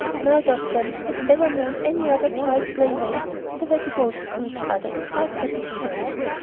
Neither of them had ever known any other child playmates, and they were devoted to each other and quite happy together.